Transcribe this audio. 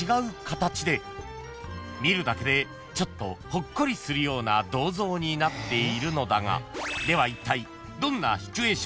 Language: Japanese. ［見るだけでちょっとほっこりするような銅像になっているのだが］